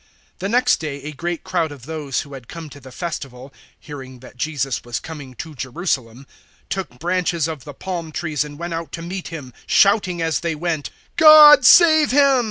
012:012 The next day a great crowd of those who had come to the Festival, hearing that Jesus was coming to Jerusalem, 012:013 took branches of the palm trees and went out to meet Him, shouting as they went, "God save him!